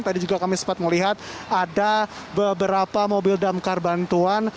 tadi juga kami sempat melihat ada beberapa mobil damkar bantuan